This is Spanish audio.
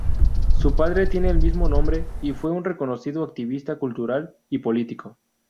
Su padre tiene el mismo nombre y fue un reconocido activista cultural y político.